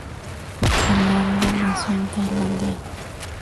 Ananda nació en Tailandia.